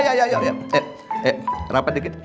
eh rapat dikit